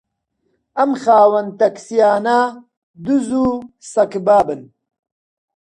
ئەم خاوەن تاکسییانە دز و سەگبابن